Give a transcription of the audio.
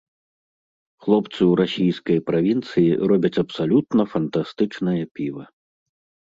Хлопцы ў расійскай правінцыі робяць абсалютна фантастычнае піва.